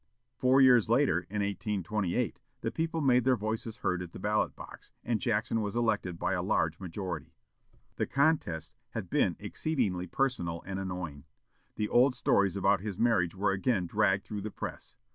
Four years later, in 1828, the people made their voices heard at the ballot box, and Jackson was elected by a large majority. The contest had been exceedingly personal and annoying. The old stories about his marriage were again dragged through the press.